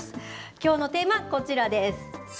きょうのテーマはこちらです。